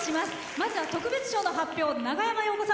まずは特別賞の発表。